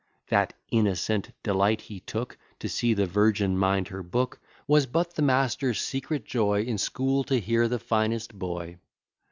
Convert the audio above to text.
That innocent delight he took To see the virgin mind her book, Was but the master's secret joy In school to hear the finest boy.